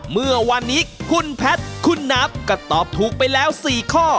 เมื่อวานนี้คุณแพทย์คุณนับก็ตอบถูกไปแล้ว๔ข้อ